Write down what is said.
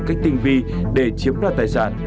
cách tinh vi để chiếm đoạt tài sản